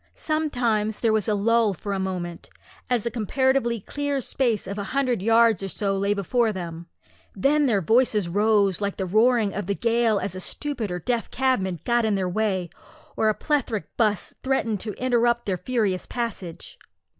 Sometimes there was a lull for a moment, as a comparatively clear space of a hundred yards or so lay before them; then their voices rose like the roaring of the gale as a stupid or deaf cabman got in their way, or a plethoric 'bus threatened to interrupt their furious passage.